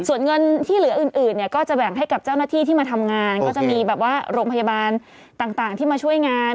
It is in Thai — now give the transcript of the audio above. ส่วนเงินที่เหลืออื่นเนี่ยก็จะแบ่งให้กับเจ้าหน้าที่ที่มาทำงานก็จะมีแบบว่าโรงพยาบาลต่างที่มาช่วยงาน